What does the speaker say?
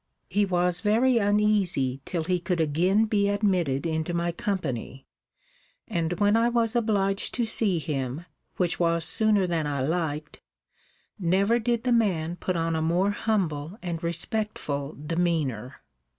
He was very uneasy till he could again be admitted into my company, and when I was obliged to see him, which was sooner than I liked, never did the man put on a more humble and respectful demeanor.